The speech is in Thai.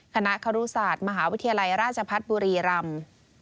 คณะครุศาสตร์มหาวิทยาลัยราชพัฒน์บุรีรำ